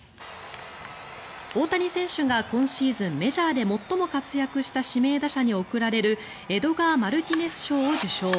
大谷選手が今シーズンメジャーで最も活躍した指名打者に贈られるエドガー・マルティネス賞を受賞。